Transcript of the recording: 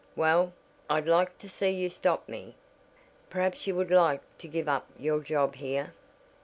"Well, I'd like to see you stop me! Perhaps you would like to give up your job here?